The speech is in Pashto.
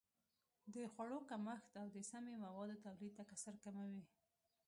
د خوړو کمښت او د سمي موادو تولید تکثر کموي.